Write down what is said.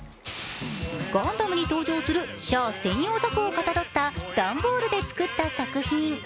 ガンダムに登場するシャア専用ザクをかたどった段ボールで作った作品。